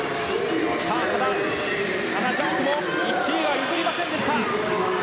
ただ、シャナ・ジャックも１位は譲りませんでした。